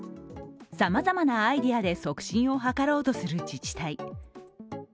さまざまなアイデアで促進を図ろうとする自治体。